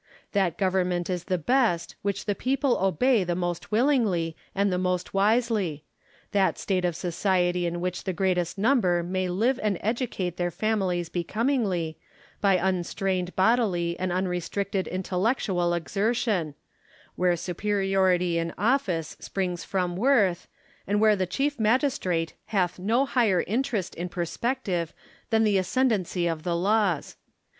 That government is the best which the people obey the most willingly and the most wisely ; that state of society in which the greatest number may live and educate their families becomingly, by unstrained bodily and unrestricted intellectual exertion ; where superiority in office springs from worth, and where the chief magistrate hath no higher interest in perspective than the ascendancy of the laws.